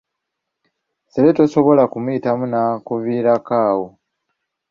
Ssere tosobola kumuyitamu n’akuviirako awo.